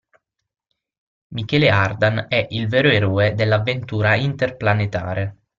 Michele Ardan è il vero eroe dell'avventura interplanetare.